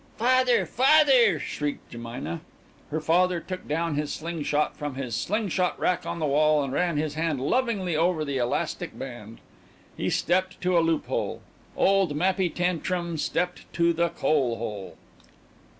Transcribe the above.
"Father! father!" shrieked Jemina. Her father took down his slingshot from his slingshot rack on the wall and ran his hand lovingly over the elastic band. He stepped to a loophole. Old Mappy Tantrum stepped to the coalhole.